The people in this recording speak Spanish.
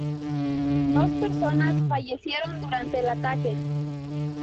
Dos personas fallecieron durante el ataque.